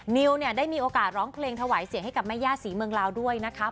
นิวเนี่ยได้มีโอกาสร้องเพลงถวายเสียงให้กับแม่ย่าศรีเมืองลาวด้วยนะคะ